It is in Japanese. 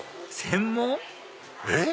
専門？